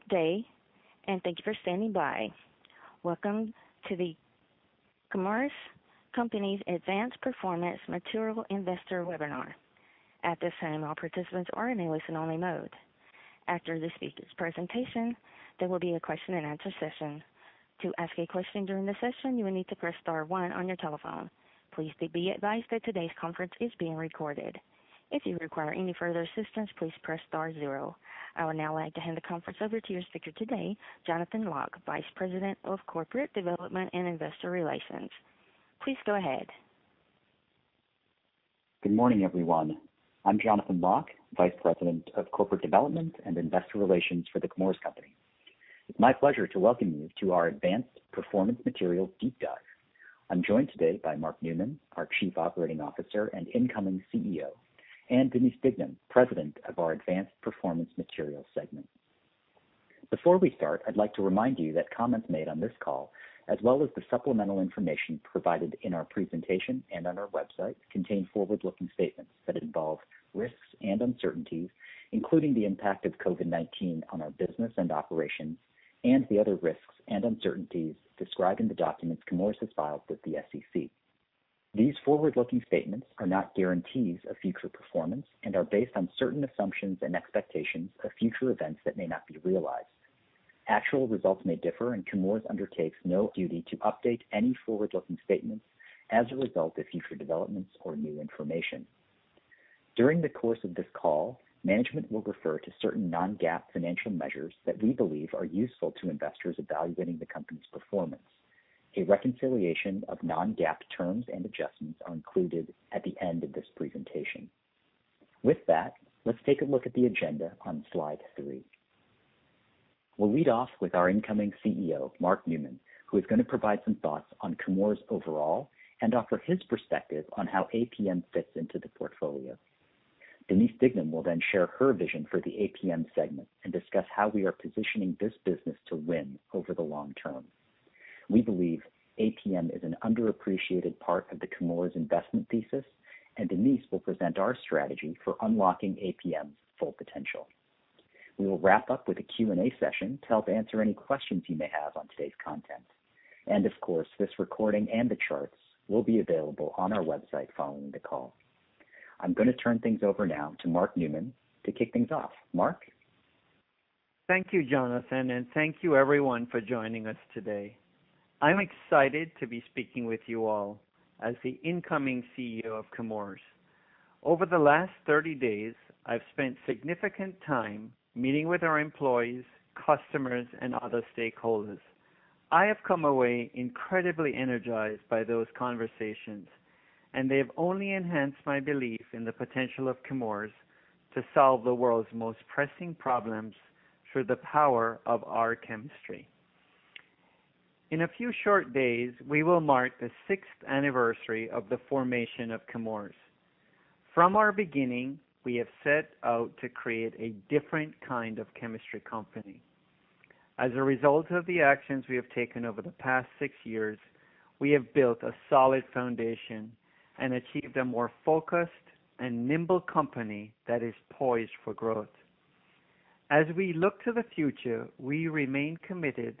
Good day, and thank you for standing by. Welcome to The Chemours Company Advanced Performance Materials Investor Webinar. At this time, all participants are in listen-only mode. After the speakers' presentation, there will be a question-and-answer session. To ask a question during the session, you will need to press star one on your telephone. Please be advised that today's conference is being recorded. If you require any further assistance, please press star zero. I would now like to hand the conference over to your speaker today, Jonathan Lock, Vice President of Corporate Development and Investor Relations. Please go ahead. Good morning, everyone. I'm Jonathan Lock, Vice President of Corporate Development and Investor Relations for The Chemours Company. It's my pleasure to welcome you to our Advanced Performance Materials deep dive. I'm joined today by Mark Newman, our Chief Operating Officer and incoming CEO, and Denise Dignam, President of our Advanced Performance Materials segment. Before we start, I'd like to remind you that comments made on this call, as well as the supplemental information provided in our presentation and on our website, contain forward-looking statements that involve risks and uncertainties, including the impact of COVID-19 on our business and operations, and the other risks and uncertainties described in the documents Chemours has filed with the SEC. These forward-looking statements are not guarantees of future performance and are based on certain assumptions and expectations of future events that may not be realized. Actual results may differ. Chemours undertakes no duty to update any forward-looking statements as a result of future developments or new information. During the course of this call, management will refer to certain non-GAAP financial measures that we believe are useful to investors evaluating the company's performance. A reconciliation of non-GAAP terms and adjustments are included at the end of this presentation. With that, let's take a look at the agenda on slide 3. We'll lead off with our incoming CEO, Mark Newman, who is going to provide some thoughts on Chemours overall and offer his perspective on how APM fits into the portfolio. Denise Dignam will share her vision for the APM segment and discuss how we are positioning this business to win over the long term. We believe APM is an underappreciated part of the Chemours investment thesis. Denise will present our strategy for unlocking APM's full potential. We will wrap up with a Q&A session to help answer any questions you may have on today's content. Of course, this recording and the charts will be available on our website following the call. I'm going to turn things over now to Mark Newman to kick things off. Mark? Thank you, Jonathan, and thank you, everyone, for joining us today. I'm excited to be speaking with you all as the incoming CEO of Chemours. Over the last 30 days, I've spent significant time meeting with our employees, customers, and other stakeholders. I have come away incredibly energized by those conversations, and they've only enhanced my belief in the potential of Chemours to solve the world's most pressing problems through the power of our chemistry. In a few short days, we will mark the sixth anniversary of the formation of Chemours. From our beginning, we have set out to create a different kind of chemistry company. As a result of the actions we have taken over the past six years, we have built a solid foundation and achieved a more focused and nimble company that is poised for growth. As we look to the future, we remain committed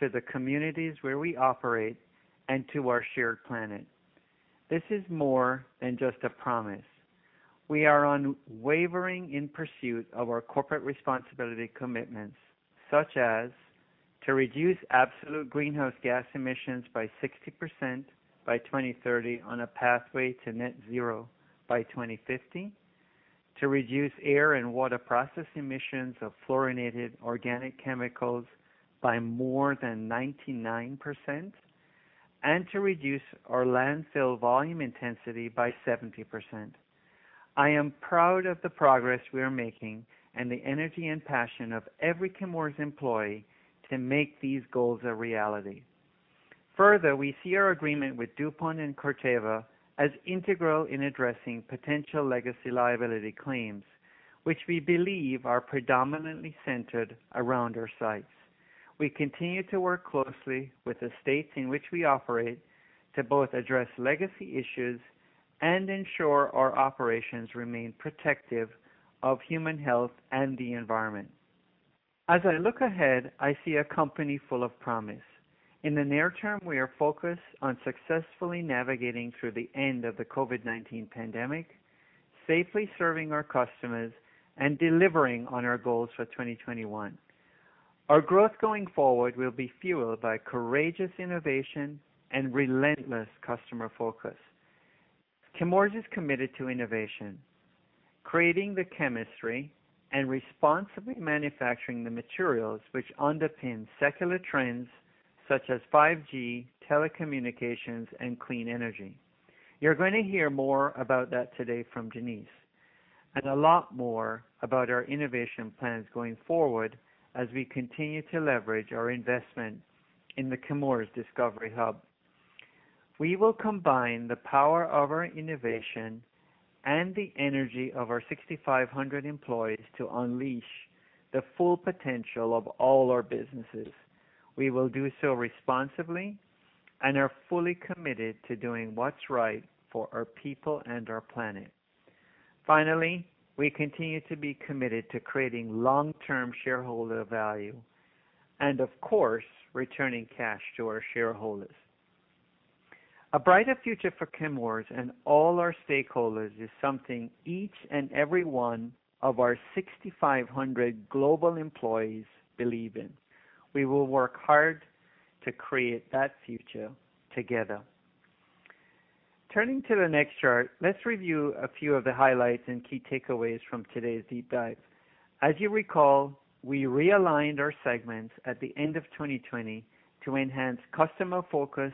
to the communities where we operate and to our shared planet. This is more than just a promise. We are unwavering in pursuit of our corporate responsibility commitments, such as to reduce absolute greenhouse gas emissions by 60% by 2030 on a pathway to net zero by 2050, to reduce air and water process emissions of fluorinated organic chemicals by more than 99%, and to reduce our landfill volume intensity by 70%. I am proud of the progress we are making and the energy and passion of every Chemours employee to make these goals a reality. We see our agreement with DuPont and Corteva as integral in addressing potential legacy liability claims, which we believe are predominantly centered around our sites. We continue to work closely with the states in which we operate to both address legacy issues and ensure our operations remain protective of human health and the environment. As I look ahead, I see a company full of promise. In the near term, we are focused on successfully navigating through the end of the COVID-19 pandemic, safely serving our customers, and delivering on our goals for 2021. Our growth going forward will be fueled by courageous innovation and relentless customer focus. Chemours is committed to innovation, creating the chemistry, and responsibly manufacturing the materials which underpin secular trends such as 5G, telecommunications, and clean energy. You're going to hear more about that today from Denise, and a lot more about our innovation plans going forward as we continue to leverage our investment in the Chemours Discovery Hub. We will combine the power of our innovation and the energy of our 6,500 employees to unleash the full potential of all our businesses. We will do so responsibly and are fully committed to doing what's right for our people and our planet. Finally, we continue to be committed to creating long-term shareholder value, and of course, returning cash to our shareholders. A brighter future for Chemours and all our stakeholders is something each and every one of our 6,500 global employees believe in. We will work hard to create that future together. Turning to the next chart, let's review a few of the highlights and key takeaways from today's deep dive. As you recall, we realigned our segments at the end of 2020 to enhance customer focus,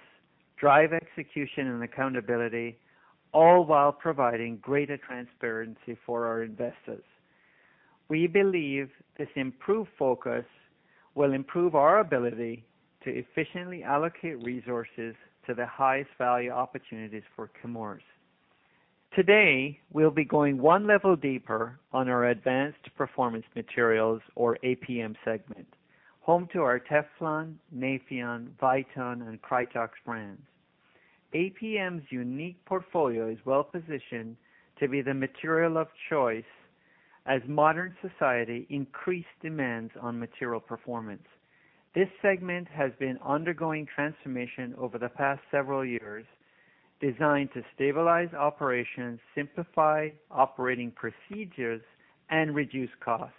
drive execution and accountability, all while providing greater transparency for our investors. We believe this improved focus will improve our ability to efficiently allocate resources to the highest value opportunities for Chemours. Today, we'll be going one level deeper on our Advanced Performance Materials, or APM segment, home to our Teflon, Nafion, Viton, and Krytox brands. APM's unique portfolio is well-positioned to be the material of choice as modern society increases demands on material performance. This segment has been undergoing transformation over the past several years, designed to stabilize operations, simplify operating procedures, and reduce costs.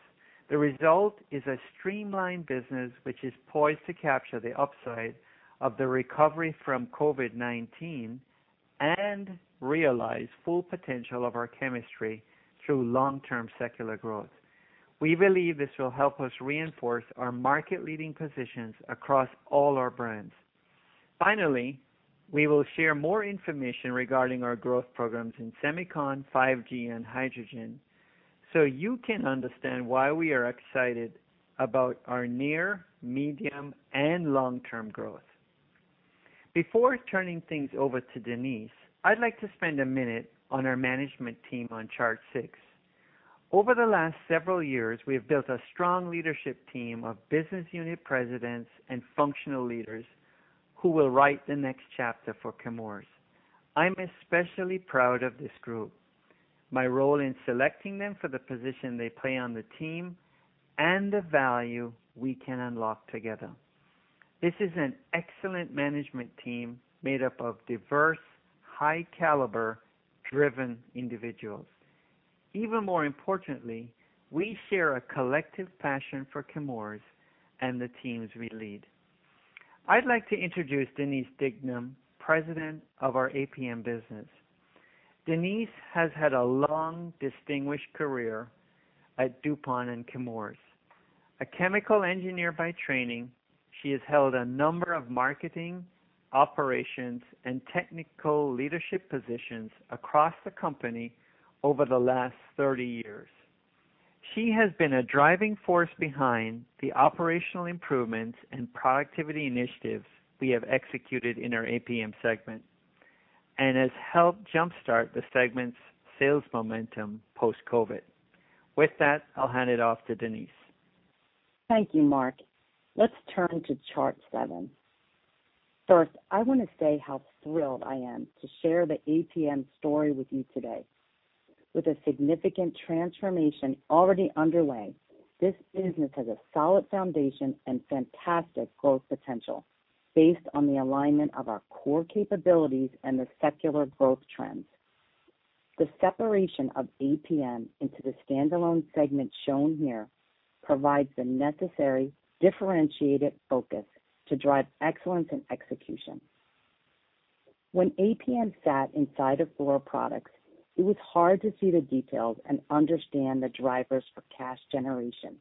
The result is a streamlined business, which is poised to capture the upside of the recovery from COVID-19 and realize the full potential of our chemistry through long-term secular growth. We believe this will help us reinforce our market-leading positions across all our brands. Finally, we will share more information regarding our growth programs in semicon, 5G, and hydrogen, so you can understand why we are excited about our near, medium, and long-term growth. Before turning things over to Denise, I'd like to spend a minute on our management team on chart 6. Over the last several years, we've built a strong leadership team of business unit presidents and functional leaders who will write the next chapter for Chemours. I'm especially proud of this group, my role in selecting them for the position they play on the team, and the value we can unlock together. This is an excellent management team made up of diverse, high-caliber, driven individuals. Even more importantly, we share a collective passion for Chemours and the teams we lead. I'd like to introduce Denise Dignam, President of our APM business. Denise has had a long, distinguished career at DuPont and Chemours. A chemical engineer by training, she has held a number of marketing, operations, and technical leadership positions across the company over the last 30 years. She has been a driving force behind the operational improvements and productivity initiatives we have executed in our APM segment and has helped jumpstart the segment's sales momentum post-COVID. With that, I'll hand it off to Denise. Thank you, Mark. Let's turn to chart 7. First, I want to say how thrilled I am to share the APM story with you today. With a significant transformation already underway, this business has a solid foundation and fantastic growth potential based on the alignment of our core capabilities and the secular growth trends. The separation of APM into the standalone segment shown here provides the necessary differentiated focus to drive excellence and execution. When APM sat inside of Fluoroproducts, it was hard to see the details and understand the drivers for cash generation,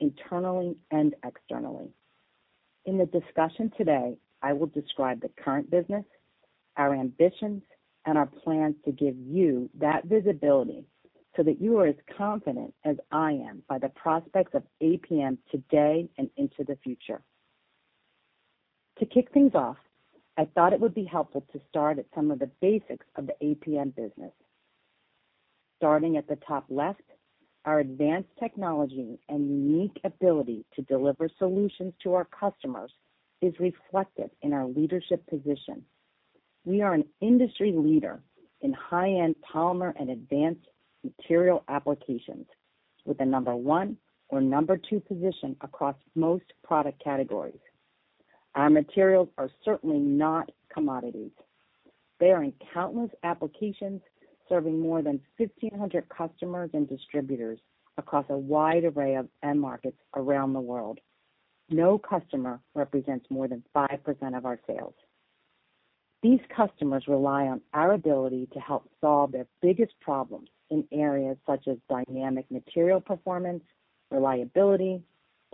internally and externally. In the discussion today, I will describe the current business, our ambitions, and our plans to give you that visibility so that you are as confident as I am by the prospects of APM today and into the future. To kick things off, I thought it would be helpful to start at some of the basics of the APM business. Starting at the top left, our advanced technology and unique ability to deliver solutions to our customers is reflected in our leadership position. We are an industry leader in high-end polymer and advanced material applications with a number one or number two position across most product categories. Our materials are certainly not commodities. They are in countless applications, serving more than 1,500 customers and distributors across a wide array of end markets around the world. No customer represents more than 5% of our sales. These customers rely on our ability to help solve their biggest problems in areas such as dynamic material performance, reliability,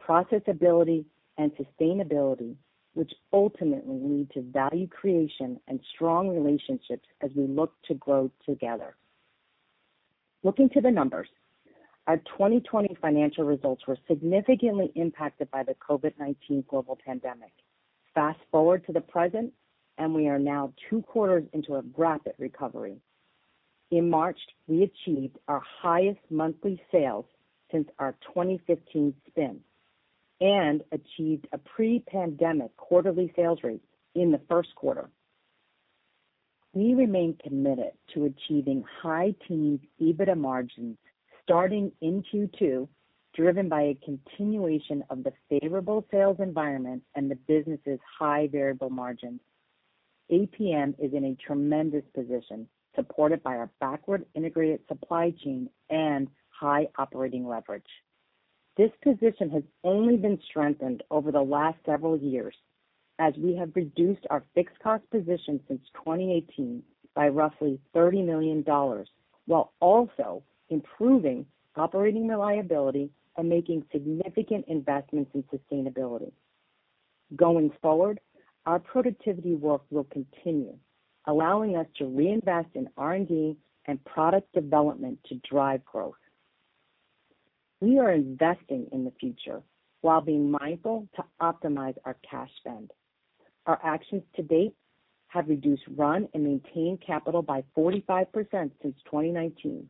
processability, and sustainability, which ultimately lead to value creation and strong relationships as we look to grow together. Looking to the numbers, our 2020 financial results were significantly impacted by the COVID-19 global pandemic. Fast-forward to the present, we are now two quarters into a rapid recovery. In March, we achieved our highest monthly sales since our 2015 spin and achieved a pre-pandemic quarterly sales rate in the first quarter. We remain committed to achieving high teens EBITDA margins starting in Q2, driven by a continuation of the favorable sales environment and the business's high variable margins. APM is in a tremendous position, supported by our backward-integrated supply chain and high operating leverage. This position has only been strengthened over the last several years as we have reduced our fixed cost position since 2018 by roughly $30 million, while also improving operating reliability and making significant investments in sustainability. Going forward, our productivity work will continue, allowing us to reinvest in R&D and product development to drive growth. We are investing in the future while being mindful to optimize our cash spend. Our actions to date have reduced run and maintain capital by 45% since 2019.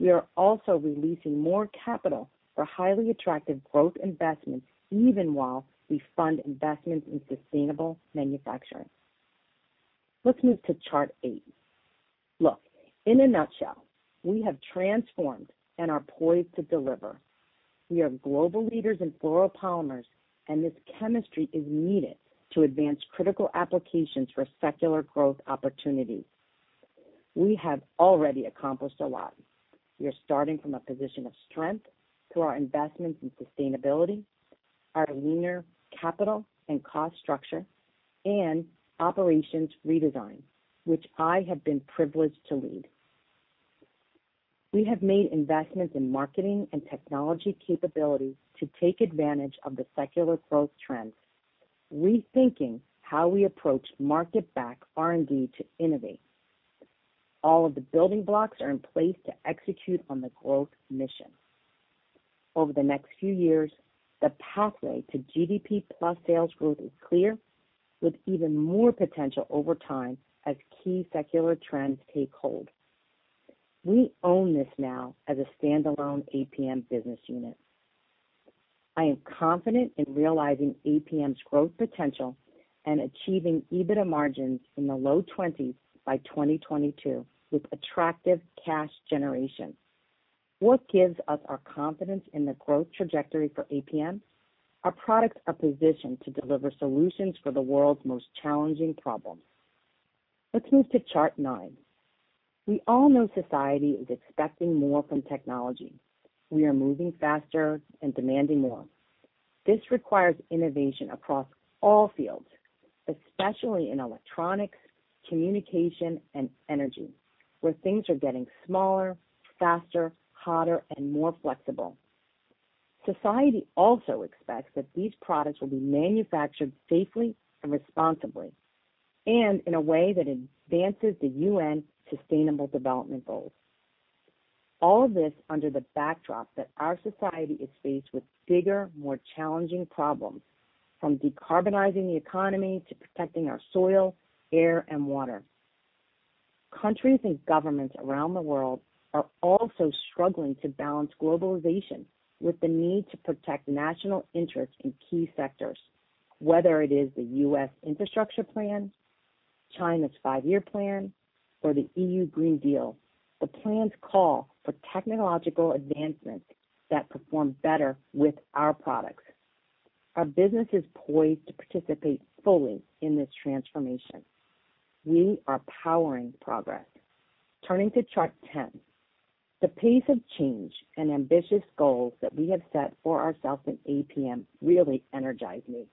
We are also releasing more capital for highly attractive growth investments, even while we fund investments in sustainable manufacturing. Let's move to Chart 8. Look, in a nutshell, we have transformed and are poised to deliver. We are global leaders in fluoropolymers, and this chemistry is needed to advance critical applications for secular growth opportunities. We have already accomplished a lot. We are starting from a position of strength through our investments in sustainability, our leaner capital and cost structure, and operations redesign, which I have been privileged to lead. We have made investments in marketing and technology capabilities to take advantage of the secular growth trends, rethinking how we approach market-backed R&D to innovate. All of the building blocks are in place to execute on the growth mission. Over the next few years, the pathway to GDP-plus sales growth is clear, with even more potential over time as key secular trends take hold. We own this now as a standalone APM business unit. I am confident in realizing APM's growth potential and achieving EBITDA margins in the low 20s by 2022, with attractive cash generation. What gives us our confidence in the growth trajectory for APM? Our products are positioned to deliver solutions for the world's most challenging problems. Let's move to Chart 9. We all know society is expecting more from technology. We are moving faster and demanding more. This requires innovation across all fields, especially in electronics, communication, and energy, where things are getting smaller, faster, hotter, and more flexible. Society also expects that these products will be manufactured safely and responsibly, and in a way that advances the UN Sustainable Development Goals. All of this under the backdrop that our society is faced with bigger, more challenging problems, from decarbonizing the economy to protecting our soil, air, and water. Countries and governments around the world are also struggling to balance globalization with the need to protect national interests in key sectors. Whether it is the U.S. Infrastructure Plan, China's Five-Year Plan, or the EU Green Deal, the plans call for technological advancements that perform better with our products. Our business is poised to participate fully in this transformation. We are powering progress. Turning to Chart 10. The pace of change and ambitious goals that we have set for ourselves in APM really energize me.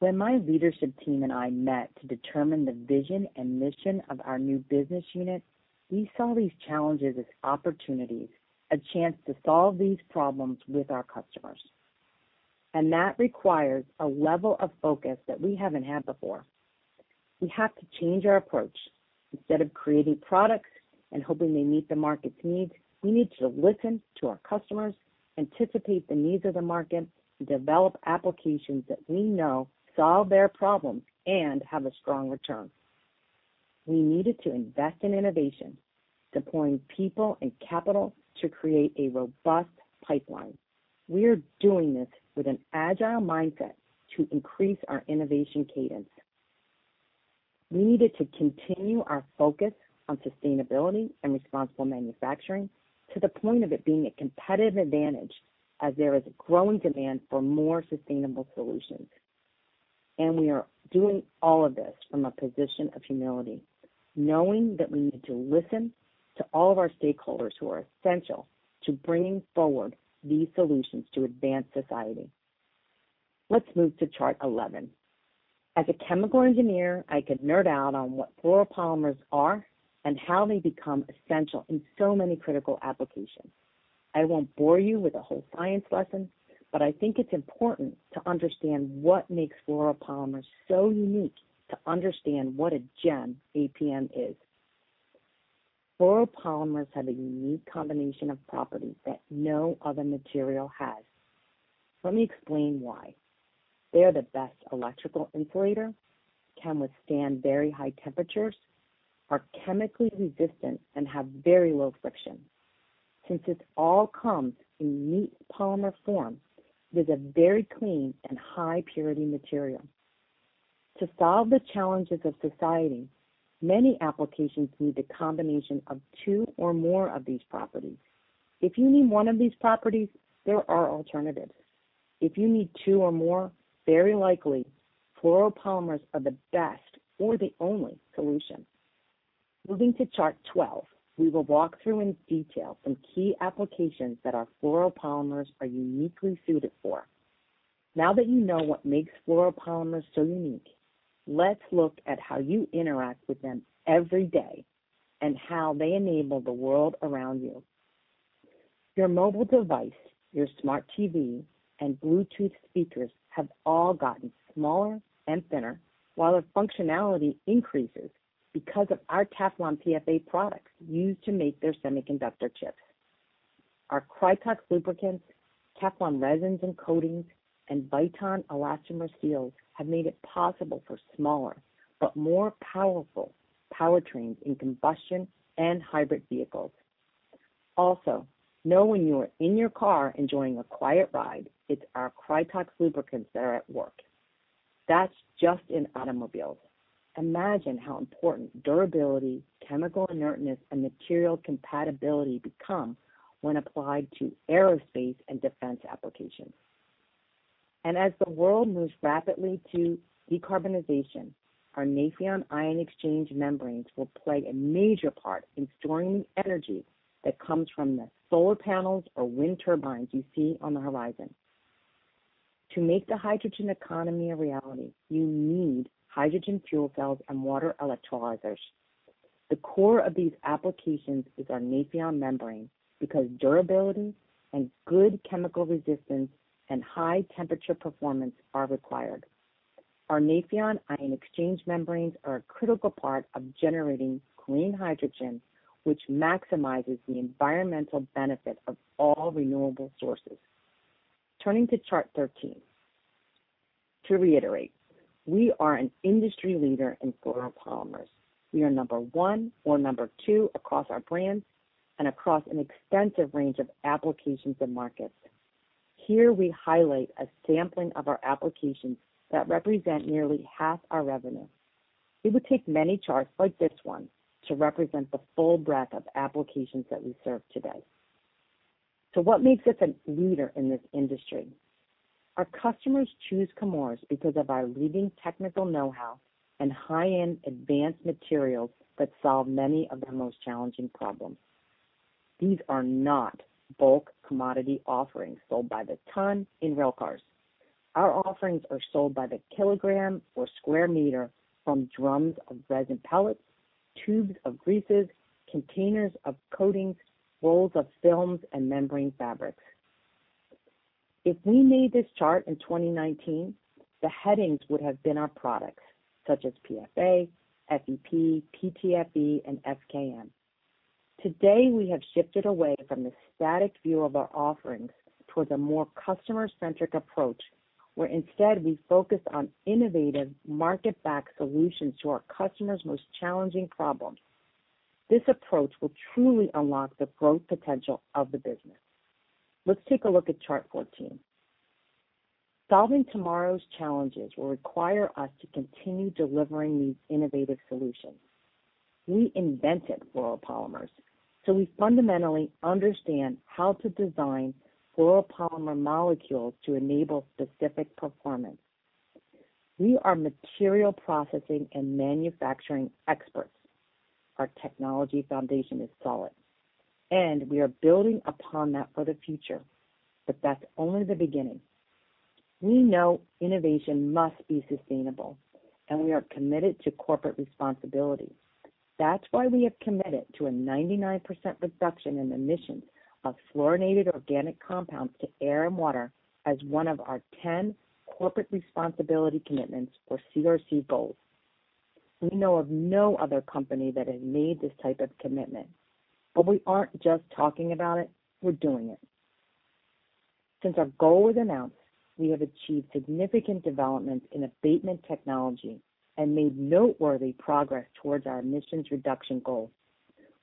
When my leadership team and I met to determine the vision and mission of our new business unit, we saw these challenges as opportunities, a chance to solve these problems with our customers. That requires a level of focus that we haven't had before. We have to change our approach. Instead of creating products and hoping they meet the market's needs, we need to listen to our customers, anticipate the needs of the market, and develop applications that we know solve their problems and have a strong return. We needed to invest in innovation, deploying people and capital to create a robust pipeline. We are doing this with an Agile mindset to increase our innovation cadence. We needed to continue our focus on sustainability and responsible manufacturing to the point of it being a competitive advantage as there is a growing demand for more sustainable solutions. We are doing all of this from a position of humility, knowing that we need to listen to all of our stakeholders who are essential to bringing forward these solutions to advance society. Let's move to Chart 11. As a chemical engineer, I could nerd out on what fluoropolymers are and how they become essential in so many critical applications. I won't bore you with a whole science lesson, but I think it's important to understand what makes fluoropolymers so unique to understand what a gem APM is. Fluoropolymers have a unique combination of properties that no other material has. Let me explain why. They are the best electrical insulator, can withstand very high temperatures, are chemically resistant, and have very low friction. Since it all comes in neat polymer form, it is a very clean and high-purity material. To solve the challenges of society, many applications need a combination of two or more of these properties. If you need one of these properties, there are alternatives. If you need two or more, very likely, fluoropolymers are the best or the only solution. Moving to Chart 12, we will walk through in detail some key applications that our fluoropolymers are uniquely suited for. Now that you know what makes fluoropolymers so unique, let's look at how you interact with them every day and how they enable the world around you. Your mobile device, your smart TV, and Bluetooth speakers have all gotten smaller and thinner while their functionality increases because of our Teflon PFA products used to make their semiconductor chips. Our Krytox lubricants, Teflon resins and coatings, and Viton elastomer seals have made it possible for smaller but more powerful powertrains in combustion and hybrid vehicles. Also, know when you are in your car enjoying a quiet ride, it's our Krytox lubricants there at work. That's just in automobiles. Imagine how important durability, chemical inertness, and material compatibility become when applied to aerospace and defense applications. As the world moves rapidly to decarbonization, our Nafion ion exchange membranes will play a major part in storing the energy that comes from the solar panels or wind turbines you see on the horizon. To make the hydrogen economy a reality, you need hydrogen fuel cells and water electrolyzers. The core of these applications is our Nafion membranes because durability and good chemical resistance and high-temperature performance are required. Our Nafion ion-exchange membranes are a critical part of generating clean hydrogen, which maximizes the environmental benefit of all renewable sources. Turning to Chart 13. To reiterate, we are an industry leader in fluoropolymers. We are number one or number two across our brands and across an extensive range of applications and markets. Here, we highlight a sampling of our applications that represent nearly half our revenue. It would take many charts like this one to represent the full breadth of applications that we serve today. What makes us a leader in this industry? Our customers choose Chemours because of our leading technical know-how and high-end advanced materials that solve many of their most challenging problems. These are not bulk commodity offerings sold by the ton in railcars. Our offerings are sold by the kilogram or square meter from drums of resin pellets, tubes of greases, containers of coatings, rolls of films, and membrane fabrics. If we made this chart in 2019, the headings would have been our products, such as PFA, FEP, PTFE, and FKM. Today, we have shifted away from the static view of our offerings towards a more customer-centric approach, where instead we focus on innovative market-backed solutions to our customers' most challenging problems. This approach will truly unlock the growth potential of the business. Let's take a look at Chart 14. Solving tomorrow's challenges will require us to continue delivering these innovative solutions. We invented fluoropolymers, so we fundamentally understand how to design fluoropolymer molecules to enable specific performance. We are material processing and manufacturing experts. Our technology foundation is solid, and we are building upon that for the future, but that's only the beginning. We know innovation must be sustainable, and we are committed to corporate responsibility. That's why we have committed to a 99% reduction in emissions of fluorinated organic compounds to air and water as one of our 10 corporate responsibility commitments, or CRC goals. We know of no other company that has made this type of commitment. We aren't just talking about it, we're doing it. Since our goal was announced, we have achieved significant developments in abatement technology and made noteworthy progress towards our emissions reduction goals.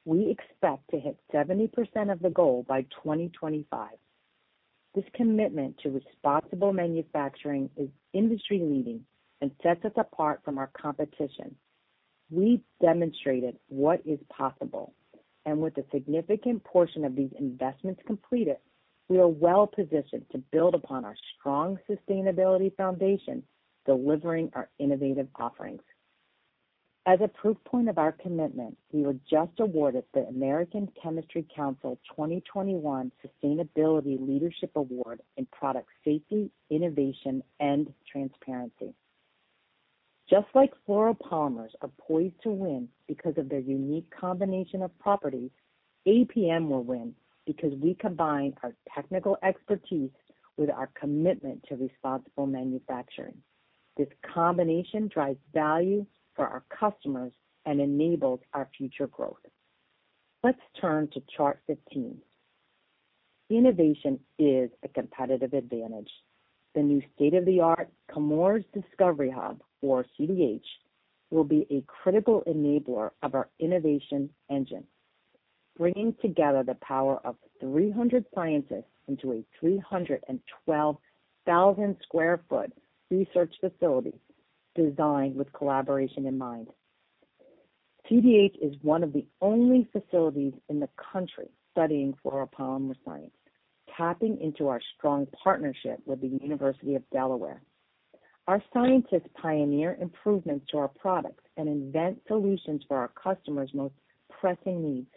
We expect to hit 70% of the goal by 2025. This commitment to responsible manufacturing is industry-leading and sets us apart from our competition. We've demonstrated what is possible, and with a significant portion of these investments completed, we are well-positioned to build upon our strong sustainability foundation, delivering our innovative offerings. As a proof point of our commitment, we were just awarded the American Chemistry Council 2021 Sustainability Leadership Award in Product Safety, Innovation, and Transparency. Just like fluoropolymers are poised to win because of their unique combination of properties, APM will win because we combine our technical expertise with our commitment to responsible manufacturing. This combination drives value for our customers and enables our future growth. Let's turn to Chart 15. Innovation is a competitive advantage. The new state-of-the-art Chemours Discovery Hub, or CDH, will be a critical enabler of our innovation engine, bringing together the power of 300 scientists into a 312,000 sq ft research facility designed with collaboration in mind. CDH is one of the only facilities in the country studying fluoropolymer science, tapping into our strong partnership with the University of Delaware. Our scientists pioneer improvements to our products and invent solutions for our customers' most pressing needs.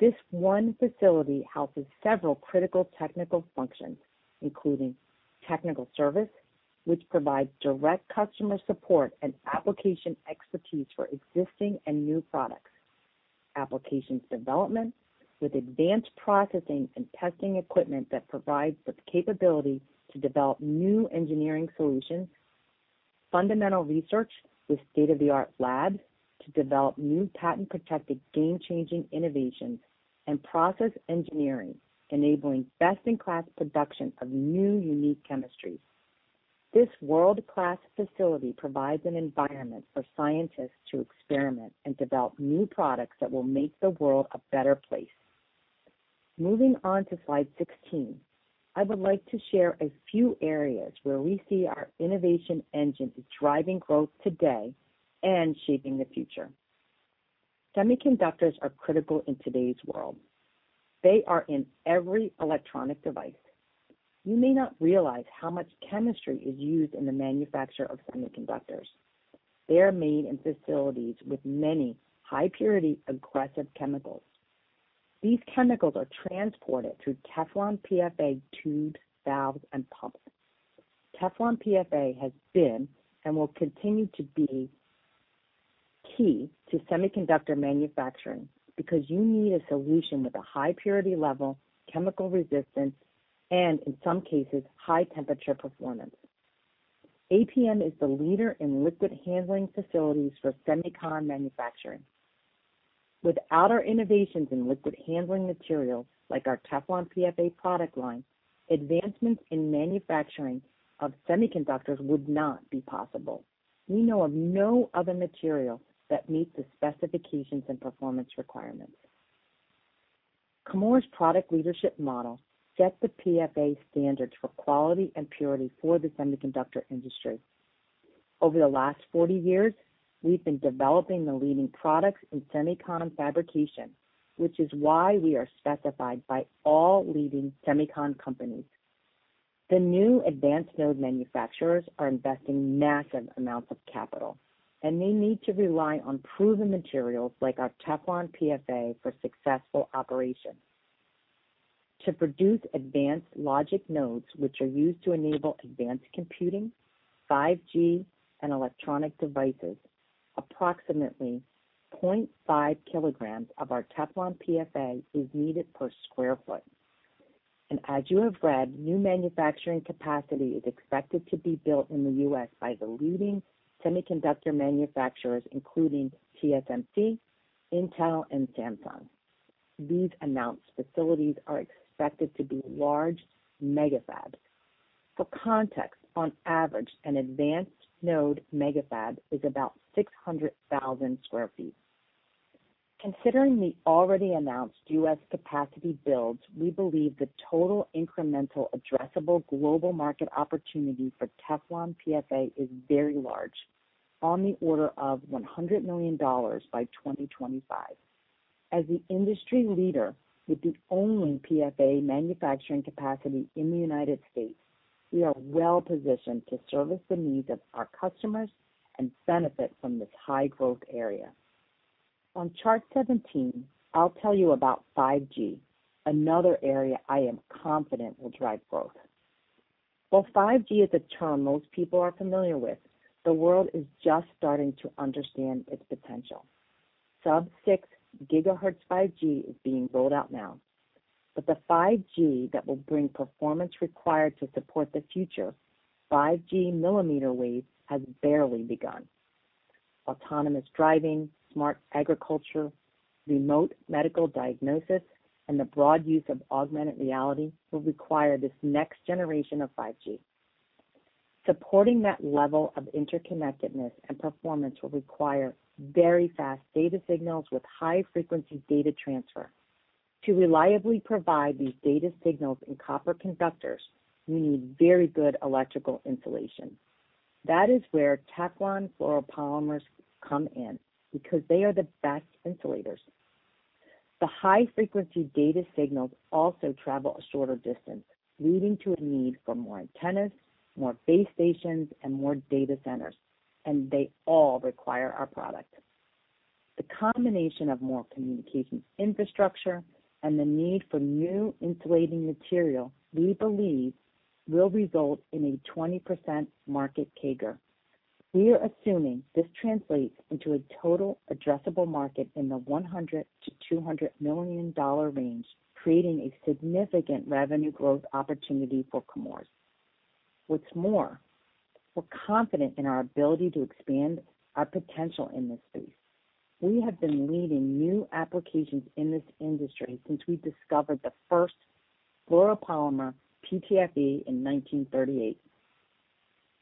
This one facility houses several critical technical functions, including technical service, which provides direct customer support and application expertise for existing and new products. Applications development with advanced processing and testing equipment that provides the capability to develop new engineering solutions, fundamental research with state-of-the-art labs to develop new patent-protected game-changing innovations, and process engineering, enabling best-in-class production of new unique chemistries. This world-class facility provides an environment for scientists to experiment and develop new products that will make the world a better place. Moving on to slide 16, I would like to share a few areas where we see our innovation engines driving growth today and shaping the future. Semiconductors are critical in today's world. They are in every electronic device. You may not realize how much chemistry is used in the manufacture of semiconductors. They are made in facilities with many high purity aggressive chemicals. These chemicals are transported through Teflon PFA tubes, valves, and pumps. Teflon PFA has been and will continue to be key to semiconductor manufacturing because you need a solution with a high purity level, chemical resistance, and in some cases, high temperature performance. APM is the leader in liquid handling facilities for semicon manufacturing. Without our innovations in liquid handling materials like our Teflon PFA product line, advancements in manufacturing of semiconductors would not be possible. We know of no other material that meets the specifications and performance requirements. Chemours' product leadership model sets the PFA standards for quality and purity for the semiconductor industry. Over the last 40 years, we've been developing the leading products in semicon fabrication, which is why we are specified by all leading semicon companies. The new advanced node manufacturers are investing massive amounts of capital. They need to rely on proven materials like our Teflon PFA for successful operations. To produce advanced logic nodes, which are used to enable advanced computing, 5G, and electronic devices, approximately 0.5 kg of our Teflon PFA is needed per square foot. As you have read, new manufacturing capacity is expected to be built in the U.S. by the leading semiconductor manufacturers, including TSMC, Intel, and Samsung. These announced facilities are expected to be large mega fabs. For context, on average, an advanced node mega fab is about 600,000 sq ft. Considering the already announced U.S. capacity builds, we believe the total incremental addressable global market opportunity for Teflon PFA is very large, on the order of $100 million by 2025. As the industry leader with the only PFA manufacturing capacity in the United States, we are well-positioned to service the needs of our customers and benefit from this high growth area. On chart 17, I'll tell you about 5G, another area I am confident will drive growth. While 5G is a term most people are familiar with, the world is just starting to understand its potential. Sub-6 GHz 5G is being rolled out now, but the 5G that will bring performance required to support the future, 5G millimeter waves, has barely begun. Autonomous driving, smart agriculture, remote medical diagnosis, and the broad use of augmented reality will require this next generation of 5G. Supporting that level of interconnectedness and performance will require very fast data signals with high frequency data transfer. To reliably provide these data signals in copper conductors, we need very good electrical insulation. That is where Teflon fluoropolymers come in, because they are the best insulators. The high frequency data signals also travel a shorter distance, leading to a need for more antennas, more base stations, and more data centers, they all require our products. The combination of more communications infrastructure and the need for new insulating material, we believe, will result in a 20% market CAGR. We are assuming this translates into a total addressable market in the $100 million-$200 million range, creating a significant revenue growth opportunity for Chemours. What's more, we're confident in our ability to expand our potential in this space. We have been leading new applications in this industry since we discovered the first fluoropolymer, PTFE, in 1938.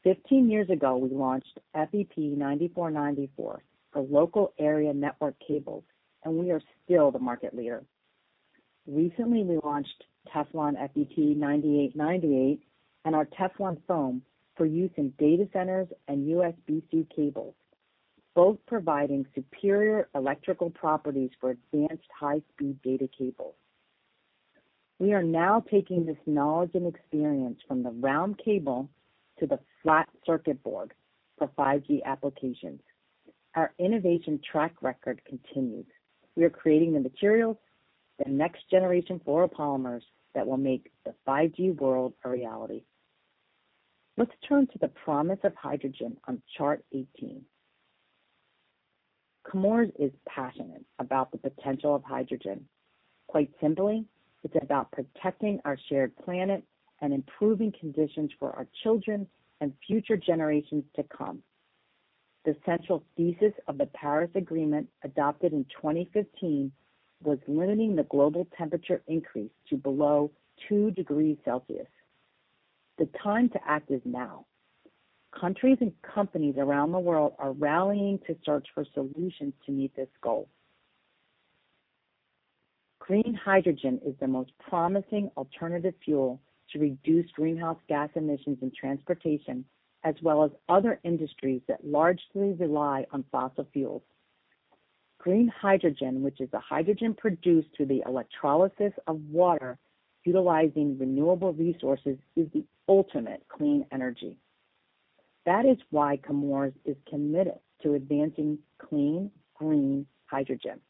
15 years ago, we launched FEP 9494 for local area network cables, we are still the market leader. Recently, we launched Teflon FEP 9898 and our Teflon foam for use in data centers and USB-C cables, both providing superior electrical properties for advanced high-speed data cables. We are now taking this knowledge and experience from the round cable to the flat circuit board for 5G applications. Our innovation track record continues. We are creating the materials, the next generation fluoropolymers, that will make the 5G world a reality. Let's turn to the promise of hydrogen on Chart 18. Chemours is passionate about the potential of hydrogen. Quite simply, it's about protecting our shared planet and improving conditions for our children and future generations to come. The central thesis of the Paris Agreement, adopted in 2015, was limiting the global temperature increase to below two degrees Celsius. The time to act is now. Countries and companies around the world are rallying to search for solutions to meet this goal. Clean hydrogen is the most promising alternative fuel to reduce greenhouse gas emissions in transportation, as well as other industries that largely rely on fossil fuels. Clean hydrogen, which is the hydrogen produced through the electrolysis of water utilizing renewable resources, is the ultimate clean energy. That is why Chemours is committed to advancing clean, green hydrogen.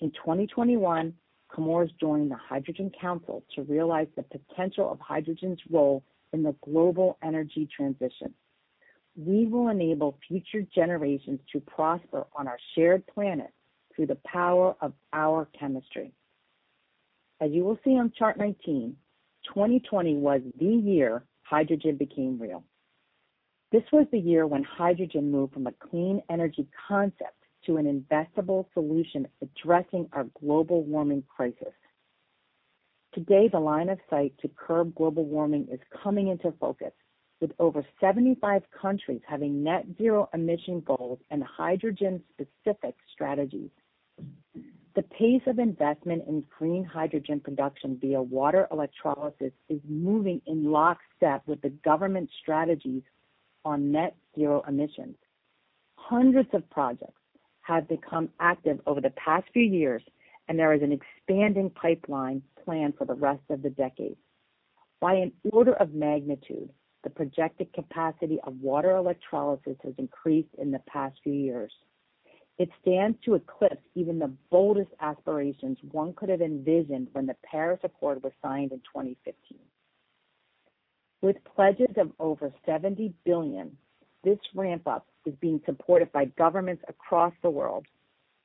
In 2021, Chemours joined the Hydrogen Council to realize the potential of hydrogen's role in the global energy transition. We will enable future generations to prosper on our shared planet through the power of our chemistry. As you will see on Chart 19, 2020 was the year hydrogen became real. This was the year when hydrogen moved from a clean energy concept to an investable solution addressing our global warming crisis. Today, the line of sight to curb global warming is coming into focus, with over 75 countries having net zero emission goals and hydrogen-specific strategies. The pace of investment in clean hydrogen production via water electrolysis is moving in lockstep with the government strategies on net zero emissions. Hundreds of projects have become active over the past few years, and there is an expanding pipeline planned for the rest of the decade. By an order of magnitude, the projected capacity of water electrolysis has increased in the past few years. It stands to eclipse even the boldest aspirations one could have envisioned when the Paris Accord was signed in 2015. With pledges of over $70 billion, this ramp-up is being supported by governments across the world.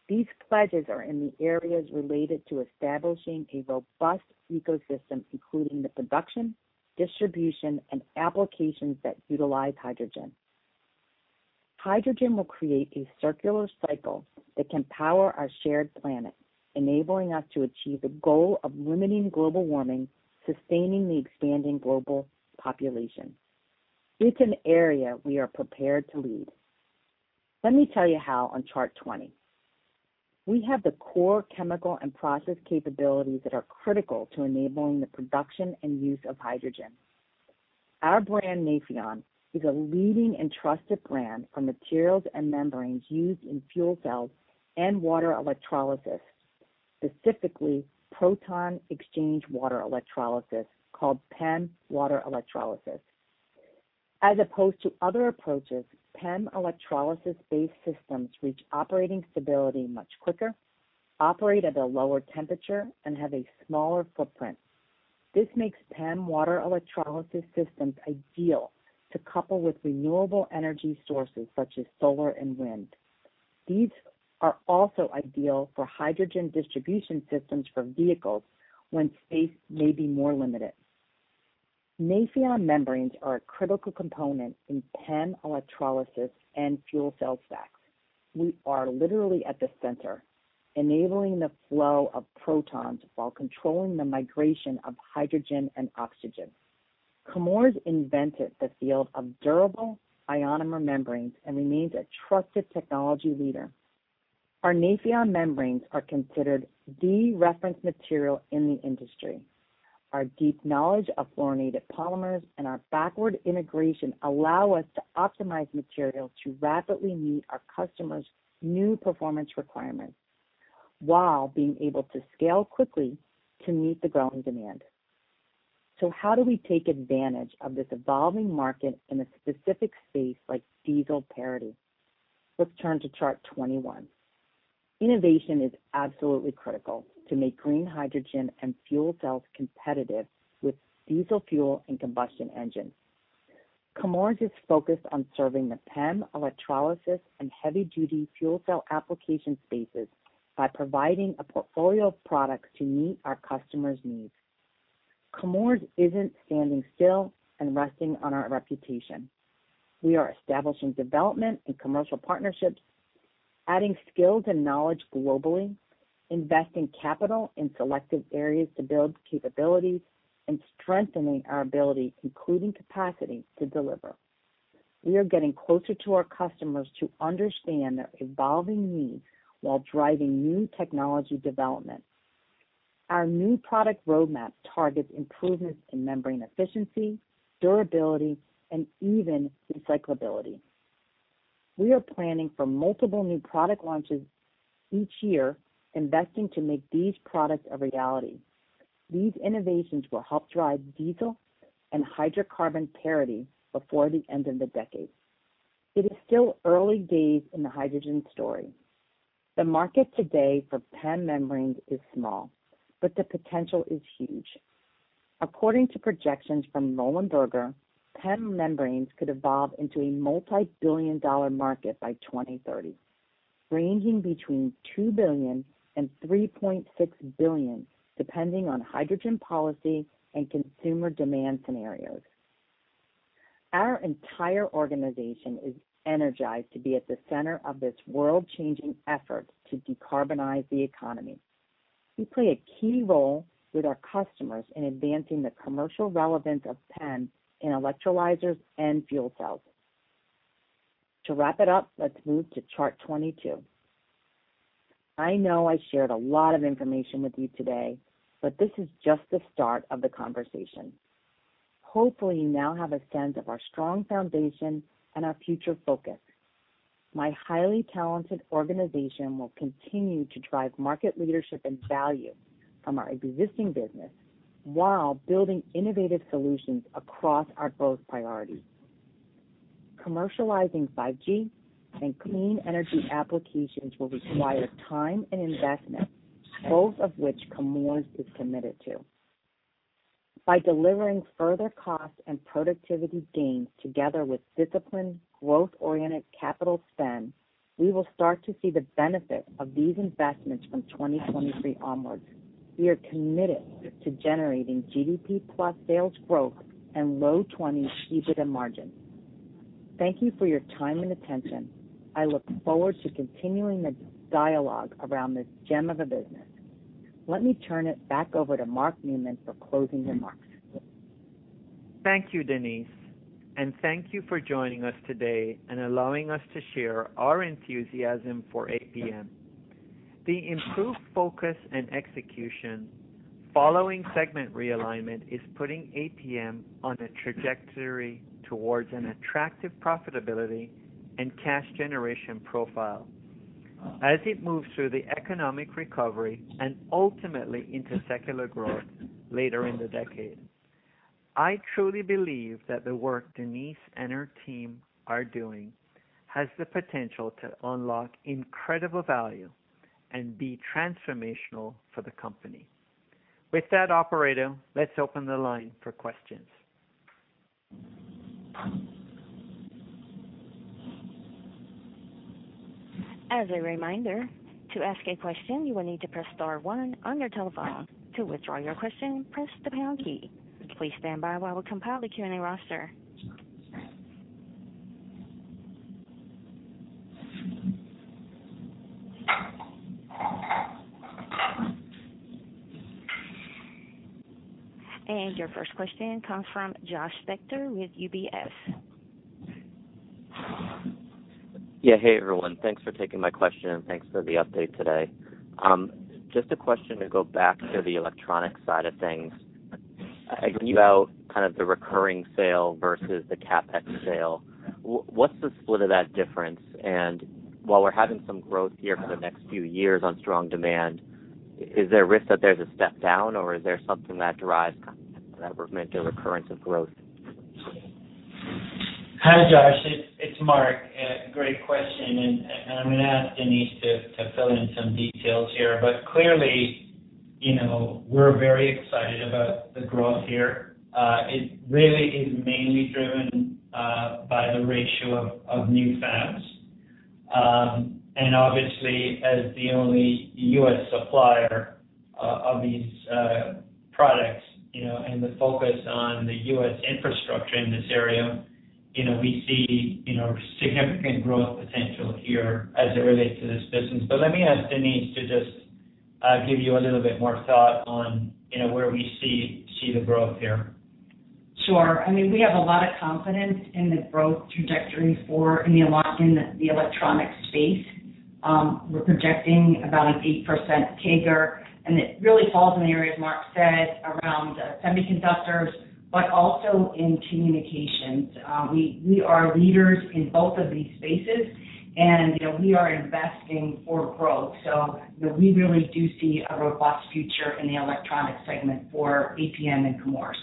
These pledges are in the areas related to establishing a robust ecosystem, including the production, distribution, and applications that utilize hydrogen. Hydrogen will create a circular cycle that can power our shared planet, enabling us to achieve the goal of limiting global warming, sustaining the expanding global population. It's an area we are prepared to lead. Let me tell you how on Chart 20. We have the core chemical and process capabilities that are critical to enabling the production and use of hydrogen. Our brand, Nafion, is a leading and trusted brand for materials and membranes used in fuel cells and water electrolysis, specifically proton exchange water electrolysis, called PEM water electrolysis. As opposed to other approaches, PEM electrolysis-based systems reach operating stability much quicker, operate at a lower temperature, and have a smaller footprint. This makes PEM water electrolysis systems ideal to couple with renewable energy sources such as solar and wind. These are also ideal for hydrogen distribution systems for vehicles when space may be more limited. Nafion membranes are a critical component in PEM electrolysis and fuel cell stacks. We are literally at the center, enabling the flow of protons while controlling the migration of hydrogen and oxygen. Chemours invented the field of durable ionomer membranes and remains a trusted technology leader. Our Nafion membranes are considered the reference material in the industry. Our deep knowledge of fluorinated polymers and our backward integration allow us to optimize materials to rapidly meet our customers' new performance requirements while being able to scale quickly to meet the growing demand. How do we take advantage of this evolving market in a specific space like diesel parity? Let's turn to Chart 21. Innovation is absolutely critical to make clean hydrogen and fuel cells competitive with diesel fuel and combustion engines. Chemours is focused on serving the PEM electrolysis and heavy-duty fuel cell application spaces by providing a portfolio of products to meet our customers' needs. Chemours isn't standing still and resting on our reputation. We are establishing development and commercial partnerships, adding skills and knowledge globally, investing capital in selected areas to build capabilities, and strengthening our ability, including capacity, to deliver. We are getting closer to our customers to understand their evolving needs while driving new technology development. Our new product roadmap targets improvements in membrane efficiency, durability, and even recyclability. We are planning for multiple new product launches each year, investing to make these products a reality. These innovations will help drive diesel and hydrocarbon parity before the end of the decade. It is still early days in the hydrogen story. The market today for PEM membranes is small, but the potential is huge. According to projections from Roland Berger, PEM membranes could evolve into a multi-billion-dollar market by 2030, ranging between $2 billion and $3.6 billion, depending on hydrogen policy and consumer demand scenarios. Our entire organization is energized to be at the center of this world-changing effort to decarbonize the economy. We play a key role with our customers in advancing the commercial relevance of PEM in electrolyzers and fuel cells. To wrap it up, let's move to Chart 22. I know I shared a lot of information with you today, but this is just the start of the conversation. Hopefully, you now have a sense of our strong foundation and our future focus. My highly talented organization will continue to drive market leadership and value from our existing business while building innovative solutions across our growth priorities. Commercializing 5G and clean energy applications will require time and investment, both of which Chemours is committed to. By delivering further cost and productivity gains together with disciplined, growth-oriented capital spend, we will start to see the benefits of these investments from 2023 onwards. We are committed to generating GDP-plus sales growth and low-20s EBITDA margins. Thank you for your time and attention. I look forward to continuing the dialogue around this gem of a business. Let me turn it back over to Mark Newman for closing remarks. Thank you, Denise, and thank you for joining us today and allowing us to share our enthusiasm for APM. The improved focus and execution following segment realignment is putting APM on a trajectory towards an attractive profitability and cash generation profile as it moves through the economic recovery and ultimately into secular growth later in the decade. I truly believe that the work Denise and her team are doing has the potential to unlock incredible value and be transformational for the company. With that, operator, let's open the line for questions. As a reminder, to ask a question, you will need to press star one on your telephone. To withdraw your question, press the pound key. Please stand by while we compile the queuing roster. Your first question comes from Josh Spector with UBS. Yeah. Hey, everyone. Thanks for taking my question, and thanks for the update today. Just a question to go back to the electronics side of things. About the recurring sale versus the CapEx sale, what's the split of that difference? While we're having some growth here for the next few years on strong demand, is there a risk that there's a step down, or is there something that drives that recurrence of growth? Hi, Josh. It's Mark. Great question, and I'm going to ask Denise to fill in some details here. Clearly, we're very excited about the growth here. It really is mainly driven by the ratio of new fabs. Obviously, as the only U.S. supplier of these products, and the focus on the U.S. infrastructure in this area, we see significant growth potential here as it relates to this business. Let me ask Denise to just give you a little bit more thought on where we see the growth here. Sure. We have a lot of confidence in the growth trajectory for in the electronics space. We're projecting about an 8% CAGR, and it really falls in the areas Mark said around semiconductors, but also in communications. We are leaders in both of these spaces, and we are investing for growth. We really do see a robust future in the electronic segment for APM and Chemours.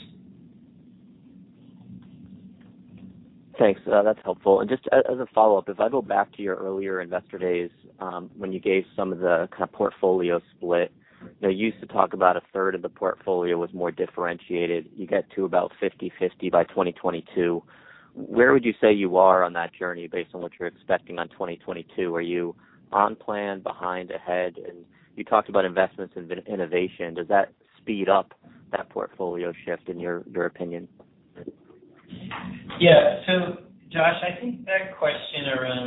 Thanks. That's helpful. Just as a follow-up, as I go back to your earlier investor days, when you gave some of the portfolio split, you used to talk about 1/3 of the portfolio was more differentiated. You get to about 50/50 by 2022. Where would you say you are on that journey based on what you're expecting on 2022? Are you on plan, behind, ahead? You talked about investments in innovation. Does that speed up that portfolio shift in your opinion? Josh, I think that question around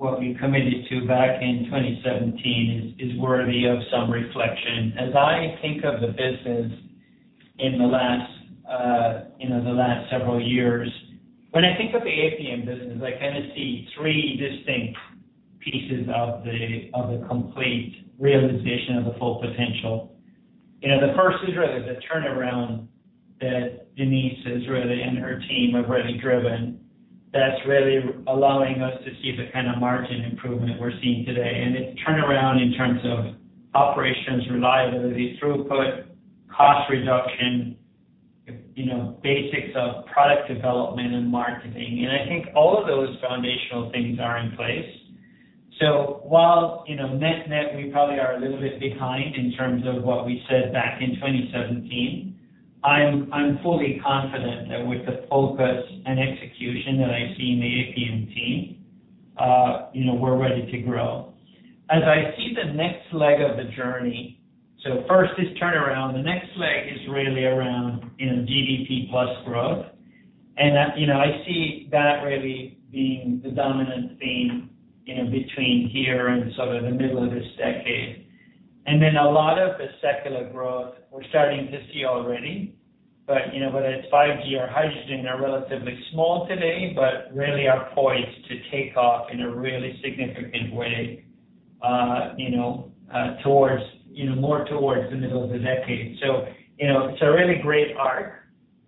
what we committed to back in 2017 is worthy of some reflection. As I think of the business in the last several years, when I think of the APM business, I see three distinct pieces of the complete realization of the full potential. The first is really the turnaround that Denise and her team have really driven, that's really allowing us to see the kind of margin improvement we're seeing today, and a turnaround in terms of operations, reliability, throughput, cost reduction, basics of product development and marketing. I think all of those foundational things are in place. While net net, we probably are a little bit behind in terms of what we said back in 2017, I'm fully confident that with the focus and execution that I see in the APM team, we're ready to grow. As I see the next leg of the journey, first is turnaround. The next leg is really around GDP-plus growth. I see that really being the dominant theme in between here and the middle of this decade. A lot of the secular growth we're starting to see already, but whether it's 5G or hydrogen, they're relatively small today, but really are poised to take off in a really significant way more towards the middle of the decade. It's a really great arc,